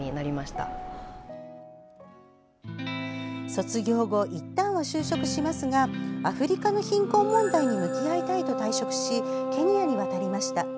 卒業後いったんは就職しますがアフリカの貧困問題に向き合いたいと退職しケニアに渡りました。